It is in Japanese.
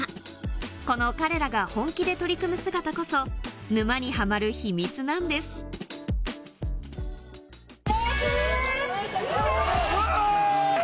この彼らが本気で取り組む姿こそ沼にハマる秘密なんです・うわ！